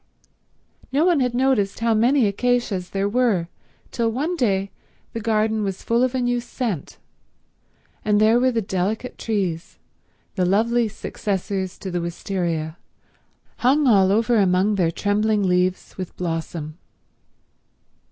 No one had noticed how many acacias there were till one day the garden was full of a new scent, and there were the delicate trees, the lovely successors to the wistaria, hung all over among their trembling leaves with blossom.